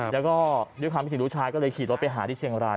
แล้วก็ด้วยความที่เห็นลูกชายก็เลยขี่รถไปหาที่เชียงราย